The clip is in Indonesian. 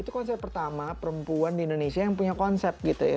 itu konsep pertama perempuan di indonesia yang punya konsep gitu ya